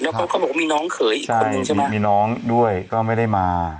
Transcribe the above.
แล้วก็เขาบอกว่ามีน้องเขยอีกคนนึงใช่ไหมมีน้องด้วยก็ไม่ได้มา